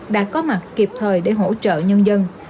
đã có mặt kịp thời để hỗ trợ nhân dân